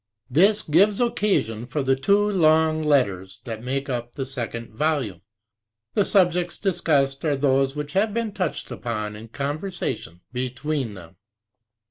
This gives occasion for the two long letters that 19 make up the second volume; the subjects discussed are those which have been touched upon in conversation between them.